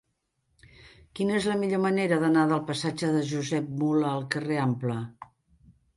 Quina és la millor manera d'anar del passatge de Josep Mula al carrer Ample?